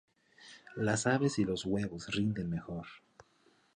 Las aves y los huevos rinden mejor.